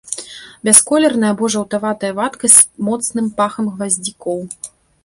Бясколерная або жаўтаватая вадкасць з моцным пахам гваздзікоў.